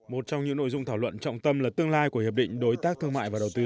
một trong những nội dung thảo luận trọng tâm là tương lai của hiệp định đối tác thương mại và đầu tư